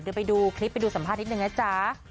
เดี๋ยวไปดูคลิปไปดูสัมภาษณนิดนึงนะจ๊ะ